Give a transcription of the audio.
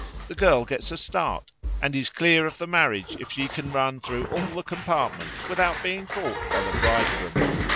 The girl gets a start and is clear of the marriage if she can run through all the compartments without being caught by the bridegroom.